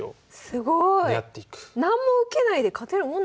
すごい！